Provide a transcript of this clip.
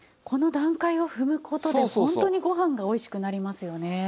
この段階を踏む事でホントにご飯がおいしくなりますよね。